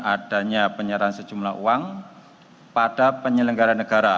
adanya penyerahan sejumlah uang pada penyelenggara negara